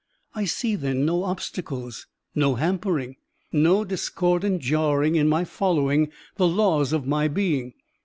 I see, then, no obstacles, no hampering, no discordant jarring in my following the laws of my being.